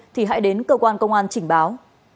thì hãy đến cơ quan công an chỉnh báo